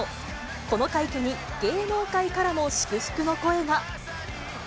この快挙に、芸能界からも祝福の声が。